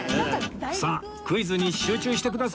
さあクイズに集中してください